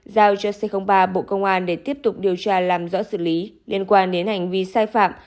giao cho c ba bộ công an để tiếp tục điều tra làm rõ xử lý liên quan đến hành vi sai phạm